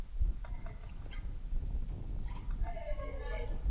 llifikia kiwango cha juu wakati fursa mpya za masoko zilipofunguka kwa bidhaa za Kampala